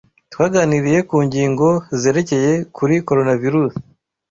Twaganiriye ku ngingo zerekeye kuri Coronavirus.